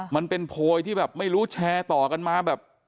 มันเป็นโพยที่แบบไม่รู้แชร์ต่อกันมาแบบ